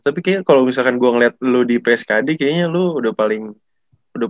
tapi kayaknya kalo misalkan gue ngeliat lu di pskad kayaknya lu udah paling wah gitu